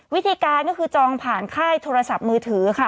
วิธีการก็คือจองผ่านค่ายโทรศัพท์มือถือค่ะ